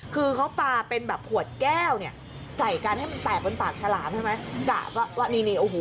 คือเขาปลาเป็นแบบหวดแก้วเนี่ยใส่กาลให้